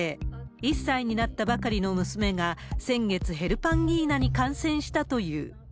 １歳になったばかりの娘が、先月ヘルパンギーナに感染したという。